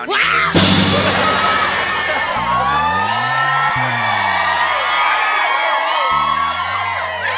ว้าว